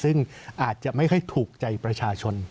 ซึ่งอาจจะไม่ค่อยถูกใจประชาชน